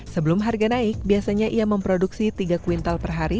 sebelum harga naik biasanya ia memproduksi tiga kuintal per hari